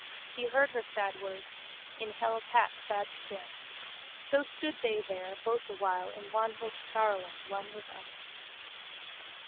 He heard her sad words, in held hat sad staring. So stood they there both awhile in wanhope sorrowing one with other.